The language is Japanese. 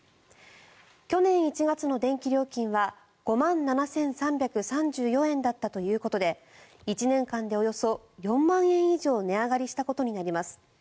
去年１月の電気料金は５万７３３４円だったということで１年間で、およそ４万円以上値上がりしたことになります。